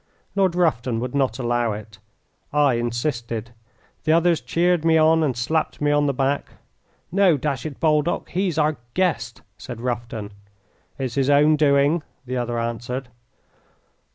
Lord Rufton would not allow it. I insisted. The others cheered me on and slapped me on the back. "No, dash it, Baldock, he's our guest," said Rufton. "It's his own doing," the other answered.